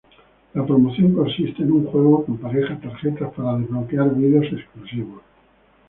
La promoción consiste en un juego que empareja tarjetas para desbloquear videos exclusivos.